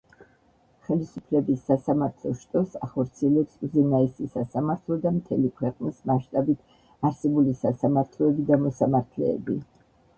ხელისუფლების სასამართლო შტოს ახორციელებს უზენაესი სასამართლო და მთელი ქვეყნის მასშტაბით არსებული სასამართლოები და მოსამართლეები.